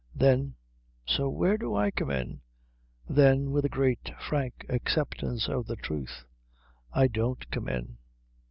Then, "So where do I come in?" Then, with a great, frank acceptance of the truth, "I don't come in."